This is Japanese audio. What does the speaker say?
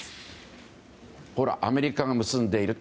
ほら、アメリカが結んでいる。